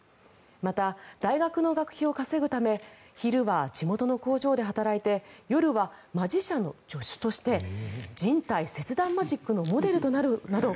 また、大学の学費を稼ぐため昼は地元の工場で働いて夜はマジシャンの助手として人体切断マジックのモデルとなるなど